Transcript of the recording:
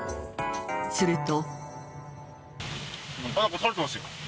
すると。